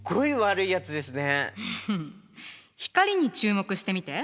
光に注目してみて。